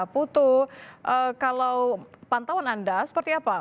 putu kalau pantauan anda seperti apa